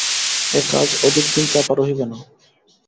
এ কাজ অধিকদিন চাপা রহিবে না।